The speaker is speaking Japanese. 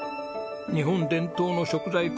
日本伝統の食材